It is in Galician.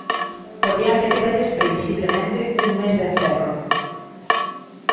Por diante quédalles previsiblemente un mes de encerro.